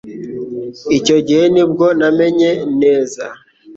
Icyo gihe ni bwo namenye neza